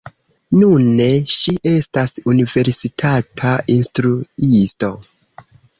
Nune ŝi estas universitata instruisto.